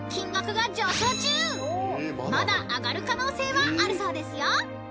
［まだ上がる可能性はあるそうですよ］